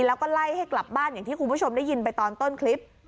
แล้วก็ไล่ให้กลับบ้านอย่างที่คุณผู้ชมได้ยินไปตอนต้นคลิป